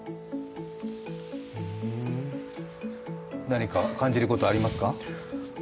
何か感じることありますか？